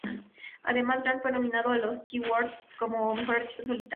Además, Grant fue nominado a los Q Awards como mejor artista en solitario.